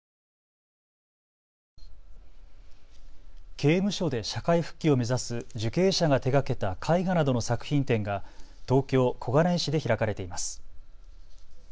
刑務所で社会復帰を目指す受刑者が手がけた絵画などの作品展が東京小金井市で開かれています。